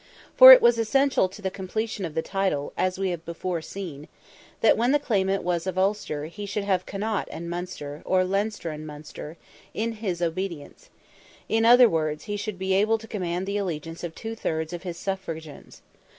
For it was essential to the completion of the title, as we have before seen, that when the claimant was of Ulster, he should have Connaught and Munster, or Leinster and Munster, in his obedience: in other words, he should be able to command the allegiance of two thirds of his suffragans.